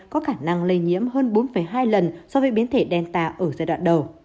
có khả năng lây nhiễm hơn bốn hai lần so với biến thể delta ở giai đoạn đầu